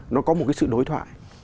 nó có một cái sự đối thoại